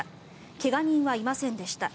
怪我人はいませんでした。